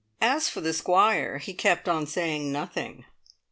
As for the Squire, he kept on saying nothing.